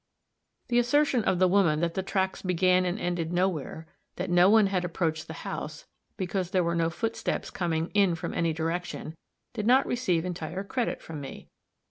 The assertion of the woman that the tracks began and ended nowhere that no one had approached the house, because there were no footsteps coming in from any direction did not receive entire credit from me.